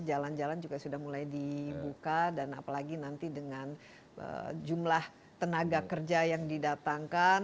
jalan jalan juga sudah mulai dibuka dan apalagi nanti dengan jumlah tenaga kerja yang didatangkan